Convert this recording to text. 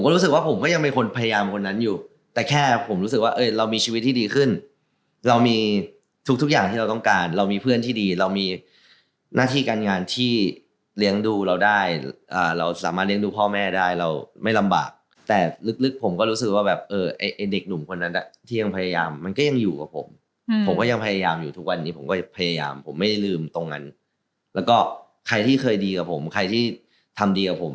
รู้สึกว่าผมก็ยังเป็นคนพยายามคนนั้นอยู่แต่แค่ผมรู้สึกว่าเรามีชีวิตที่ดีขึ้นเรามีทุกอย่างที่เราต้องการเรามีเพื่อนที่ดีเรามีหน้าที่การงานที่เลี้ยงดูเราได้เราสามารถเลี้ยงดูพ่อแม่ได้เราไม่ลำบากแต่ลึกผมก็รู้สึกว่าแบบเออไอ้เด็กหนุ่มคนนั้นที่ยังพยายามมันก็ยังอยู่กับผมผมก็ยังพยายามอยู่ทุกวันนี้ผมก็พยายามผมไม่ได้ลืมตรงนั้นแล้วก็ใครที่เคยดีกับผมใครที่ทำดีกับผม